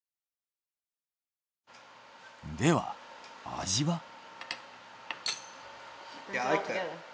では味は？